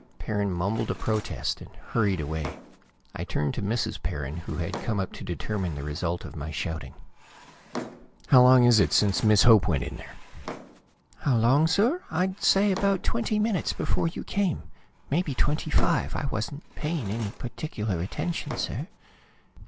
Perrin mumbled a protest and hurried away. I turned to Mrs. Perrin, who had come up to determine the result of my shouting. "How long is it since Miss Hope went in there?" "How long, sir? I'd say about twenty minutes before you came. Maybe twenty five. I wasn't paying any particular attention, sir.